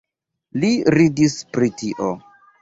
Li ridis pri tio.